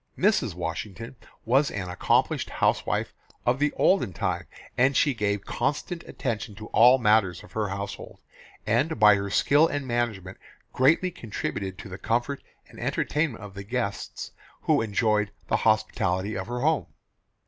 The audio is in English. Mrs. Washington was an accomplished house wife of the olden time, and she gave constant attention to all matters of her household, and by her skill and management greatly contributed to the comfort and entertainment of the guests who enjoyed the hospitality of her home.